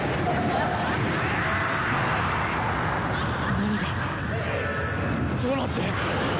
何がどうなってハッ！